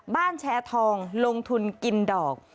แชร์ทองลงทุนกินดอก